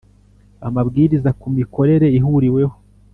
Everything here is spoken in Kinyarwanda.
amabwiriza ku mikorere ihuriweho